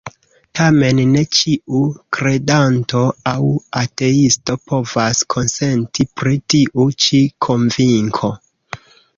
Tamen ne ĉiu kredanto aŭ ateisto povas konsenti pri tiu ĉi konvinko.